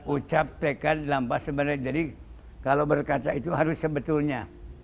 ucap tekad lampas sebenarnya jadi kalau berkata itu harus sebetulnya